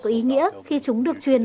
có ý nghĩa khi chúng được truyền